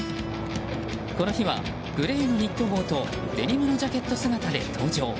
この日は、グレーのニット帽とデニムのジャケット姿で登場。